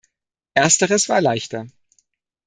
Ersteres war leichter.